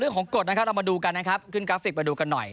เรื่องของกฎเรามาดูกันนะครับขึ้นกราฟฟิกมาดูกันหน่อย